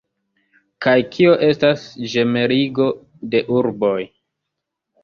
Kaj kio estas ĝemeligo de urboj?